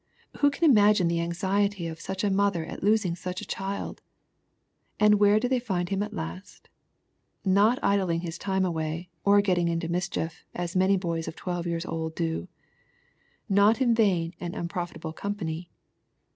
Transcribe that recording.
Who can imagine the anxiety of such a mother at losing such a child? — ^And where did thegr ^d Him at last ? Not idling His time away, or getting into mischief, as many boys of twelve years old do. Hot in vain and unprofitable company.